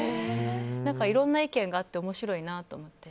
いろんな意見があって面白いなと思って。